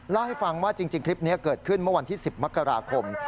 เล่าให้ฟังว่าจริงคลิปนี้เกิดขึ้นเมื่อวันที่๑๐มกราคม